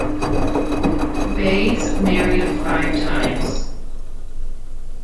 Bayes married five times.